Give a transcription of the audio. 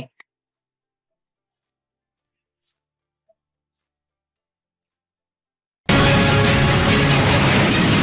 một sản phụ ở tỉnh sơn la